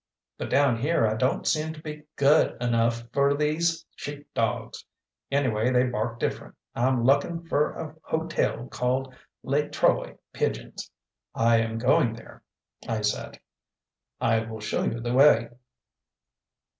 But down here I don't seem to be GUD enough f'r these sheep dogs; anyway they bark different. I'm lukkin' fer a hotel called Les Trois Pigeons." "I am going there," I said; "I will show you the way."